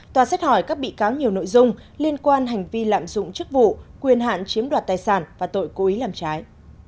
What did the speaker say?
tòa xét hỏi các bị cáo nhiều nội dung liên quan hành vi lạm dụng chức vụ quyền hạn chiếm đoạt tài sản và tội cố ý làm trái